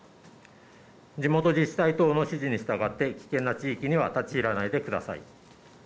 地元自治体等の指示に従って危険な地域には立ち入らないでください。